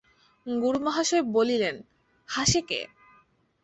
গুরুমহাশয় বলিলেন, হাসে কে?